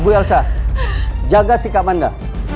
ibu yosa jaga sikap anda